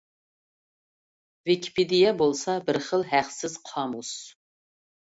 ۋىكىپېدىيە بولسا بىر خىل ھەقسىز قامۇس.